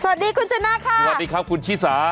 สวัสดีคุณชนะค่ะสวัสดีครับคุณชิสา